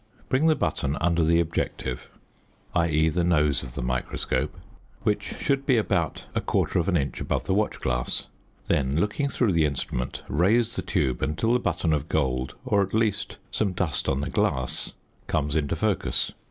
Bring the button under the "objective" (i.e., the nose of the microscope), which should be about a quarter of an inch above the watch glass; then looking through the instrument, raise the tube until the button of gold, or at least some dust on the glass, comes into focus.